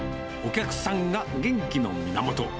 お客さんが元気の源。